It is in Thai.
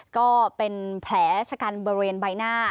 ก็เป็นแผลชกันเบอร์เวียนใบหน้า